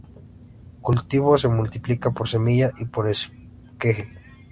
Cultivo: se multiplica por semilla y por esqueje.